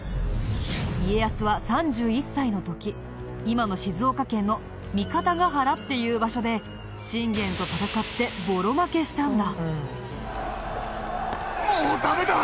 家康は３１歳の時今の静岡県の三方ヶ原っていう場所で信玄と戦ってボロ負けしたんだ。